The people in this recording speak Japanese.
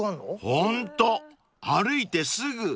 ［ホント歩いてすぐ］